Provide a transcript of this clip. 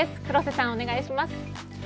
黒瀬さん、お願いします。